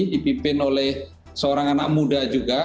dipimpin oleh seorang anak muda juga